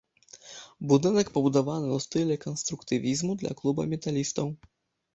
Будынак пабудаваны ў стылі канструктывізму для клуба металістаў.